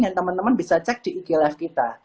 yang teman teman bisa cek di e klf kita